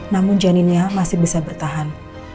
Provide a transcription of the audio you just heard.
namun janinnya masih bisa bertahan